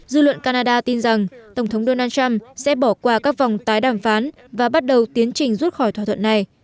dư luận canada tin rằng tổng thống donald trump sẽ bỏ qua các vòng tái đàm phán và bắt đầu tiến trình rút khỏi thỏa thuận này